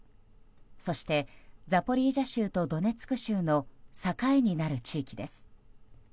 そして、ザポリージャ州とドネツク州の境になる地域です。